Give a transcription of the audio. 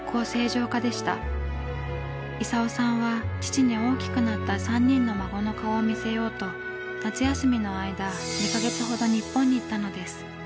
功さんは父に大きくなった３人の孫の顔を見せようと夏休みの間２か月ほど日本に行ったのです。